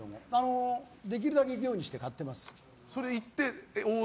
できるだけ行くようにして買ってます。